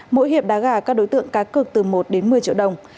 mỗi hiệp đá gà các đối tượng cá cực từ một đến một mươi triệu đồng